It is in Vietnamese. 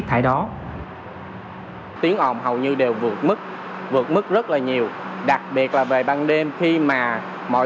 tại đó tiếng ồn hầu như đều vượt mức vượt mức rất là nhiều đặc biệt là về ban đêm khi mà mọi